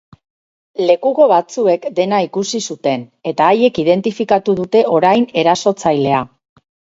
Lekuko batzuek dena ikusi zuten, eta haiek identifikatu dute orain erasotzailea.